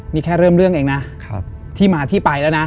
นี่แค่เริ่มเรื่องเองนะที่มาที่ไปแล้วนะ